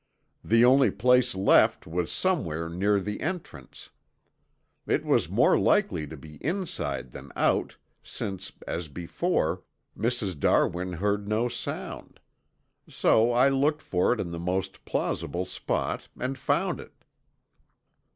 The only place left was somewhere near the entrance. It was more likely to be inside than out, since, as before, Mrs. Darwin heard no sound. So I looked for it in the most plausible spot and found it."